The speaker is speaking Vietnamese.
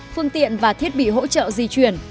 phương tiện và thiết bị hỗ trợ di chuyển